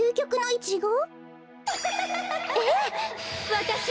わたし。